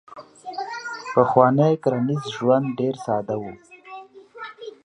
پخوانی کرنیز ژوند ډیر ساده و.